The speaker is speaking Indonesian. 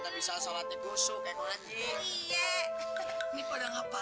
dia kesana be belok be